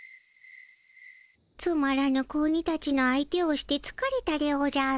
つまらぬ子鬼たちの相手をしてつかれたでおじゃる。